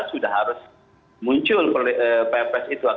dua ribu delapan belas sudah harus muncul pps itu